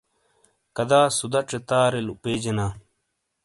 کَدا سُداچے تارے لُوپیجینا۔